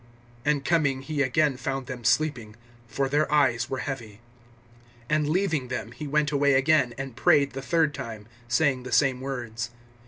(43)And coming he again found them sleeping; for their eyes were heavy. (44)And leaving them, he went away again, and prayed the third time, saying the same words.